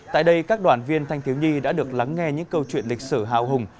tại đây các đoàn viên thanh thiếu nhi đã được lắng nghe những câu chuyện lịch sử hào hùng